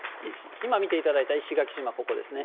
今見ていただいた石垣島、ここですね。